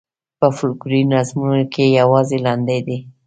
په فوکلوري نظمونو کې یوازې لنډۍ دي.